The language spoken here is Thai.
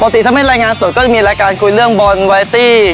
ถ้าไม่รายงานสดก็จะมีรายการคุยเรื่องบอลวายตี้